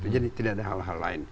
jadi tidak ada hal hal lain